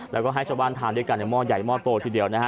แล้วก็ให้ชาวบ้านทานด้วยกันในหม้อใหญ่หม้อโตทีเดียวนะฮะ